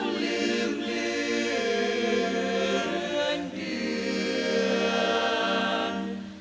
ลืมเดือนเดือน